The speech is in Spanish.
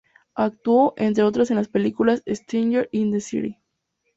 Actuó, entre otras en la película "Strangers in the City".